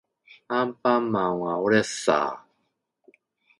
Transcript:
アンパンマンはおれっさー